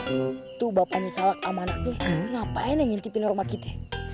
itu bapaknya salah sama anaknya ngapain yang ngintipin rumah kita